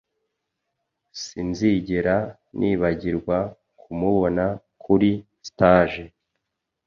Sinzigera nibagirwa kumubona kuri stage